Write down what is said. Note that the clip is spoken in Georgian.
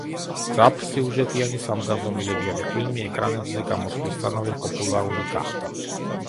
მძაფრსიუჟეტიანი სამგანზომილებიანი ფილმი ეკრანებზე გამოსვლისთანავე პოპულარული გახდა.